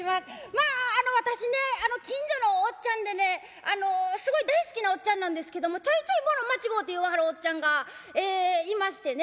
まああの私ね近所のおっちゃんでねすごい大好きなおっちゃんなんですけどもちょいちょい物間違うて言わはるおっちゃんがいましてね